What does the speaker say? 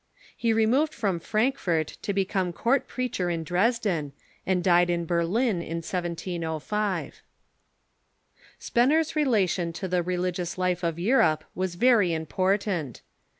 He removed from Frankfort to become court preacher in Dresden, and died in Berlin in 1705. Spener's relation to the religious life of Europe was very important.